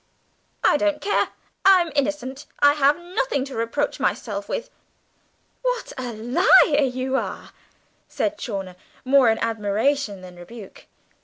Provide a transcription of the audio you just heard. "I don't care; I am innocent. I have nothing to reproach myself with." "What a liar you are!" said Chawner, more in admiration than rebuke.